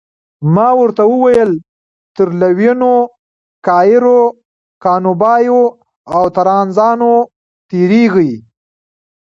ما ورته وویل تر لویینو، کانیرو، کانوبایو او ترانزانو تیریږئ.